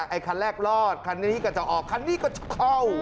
ไอ้คันแรกรอดคันนี้ก็จะออกคันนี้ก็จะเข้า